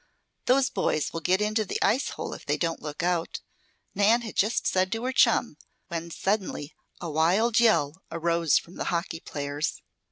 "Those boys will get into the ice hole if they don't look out," Nan had just said to her chum, when suddenly a wild yell arose from the hockey players.